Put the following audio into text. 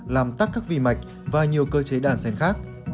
làm tắt các vi mạch và nhiều cơ chế đàn sen khác